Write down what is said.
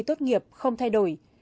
tốt nghiệp không thay đổi